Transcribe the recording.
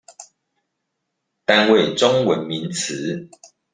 單位中文名詞